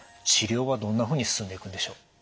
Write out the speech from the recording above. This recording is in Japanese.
治療はどんなふうに進んでいくんでしょう？